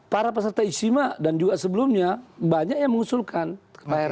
para peserta ijtima dan juga sebelumnya banyak yang mengusulkan ke hrs